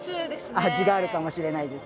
味があるかもしれないです